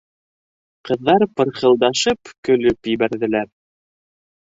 Ҡыҙҙар пырхылдашып көлөп ебәрҙеләр.